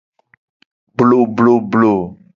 Blobloblo.